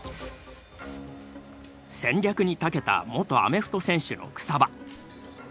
戦略にたけた元アメフト選手の草場工学部